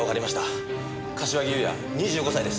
柏木裕也２５歳です。